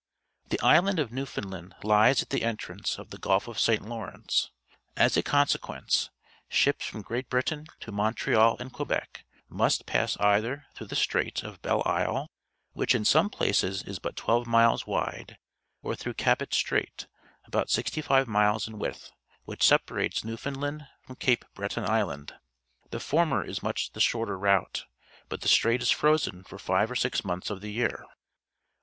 — The island of Newfoundland lies at the entrance of the Gulf of St. Lawrence. As a consequence, ships from Great Britain to Montreal and Quebec must pass either through the Strait of Belle Isle, which in some places is but twelve mileswide, orthroughCafeof<Sirai<, about sixty five miles in width, which separates New foundland from Cape Breton Island. The former is much the shorter route, but theStrait is frozen for five or six months of the year.